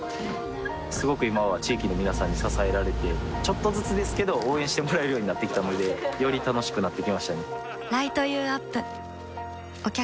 すごく今は地域の皆さんに支えられてちょっとずつですけど応援してもらえるようになってきたのでより楽しくなってきましたね